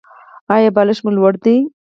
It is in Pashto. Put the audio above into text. ایا بالښت مو لوړ دی؟